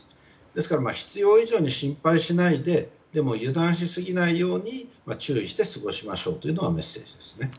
ですから、必要以上に心配しないででも油断しすぎないようにして注意して過ごしましょうというのがメッセージですね。